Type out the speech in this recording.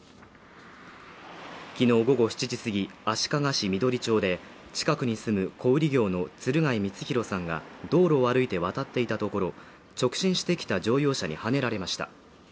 きのう午後７時すぎ、足利市緑町で、近くに住む小売業の鶴貝光弘さんが道路を歩いて渡っていたところ、直進してきた乗用車にはねられました。